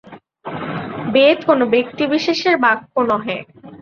বেদ কোন ব্যক্তিবিশেষের বাক্য নহে।